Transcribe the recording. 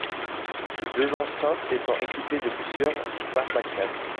Ces deux enceintes étant équipées de plusieurs barbacanes.